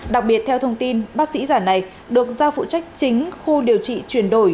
đặc biệt theo thông tin bác sĩ giả này được giao phụ trách chính khu điều trị chuyển đổi